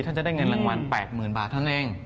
ถ้าจะได้เงินรางวัล๘๐๐๐บาทเท่านั้นเอง